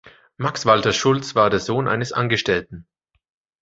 Max Walter Schulz war der Sohn eines Angestellten.